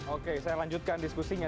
oke saya lanjutkan diskusinya